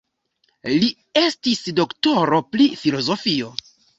Li estis doktoro pri filozofio.